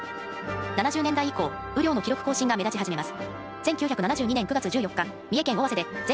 ７０年代以降雨量の記録更新が目立ち始めます。